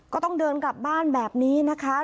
ก็ต้องเดินกลับบ้านแบบนี้นะคะ